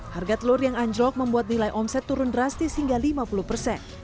harga telur yang anjlok membuat nilai omset turun drastis hingga lima puluh persen